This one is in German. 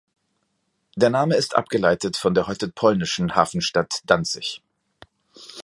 Der Name ist abgeleitet von der heute polnischen Hafenstadt Danzig.